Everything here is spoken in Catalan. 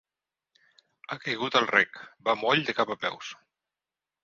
Ha caigut al rec: va moll de cap a peus.